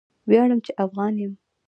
ویاړم چې افغان یم!